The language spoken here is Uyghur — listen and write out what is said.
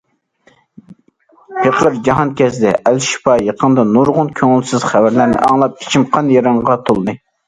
پېقىر جاھانكەزدى« ئەل شىپا» يېقىندا نۇرغۇن كۆڭۈلسىز خەۋەرلەرنى ئاڭلاپ ئىچىم قان- يىرىڭغا تولدى.